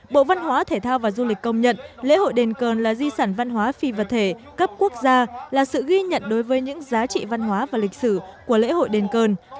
bộ văn hóa thể thao và du lịch công nhận lễ hội đền cờ là di sản văn hóa phi vật thể cấp quốc gia là sự ghi nhận đối với những giá trị văn hóa và lịch sử của lễ hội đền cơ